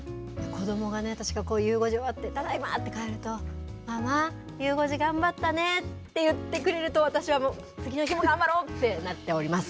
子どもがね、私がゆう５時終わって、ただいまって帰ると、ママ、ゆう５時頑張ったねーって言ってくれると、私はもう、次の日も頑張ろう！ってなっております。